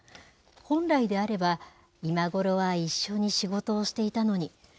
本来であれば、今ごろは一緒に仕事をしていたのに。